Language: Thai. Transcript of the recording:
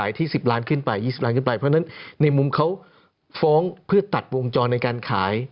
อ่าเพราะอย่างนี้ครับในมุมนักเนี้ย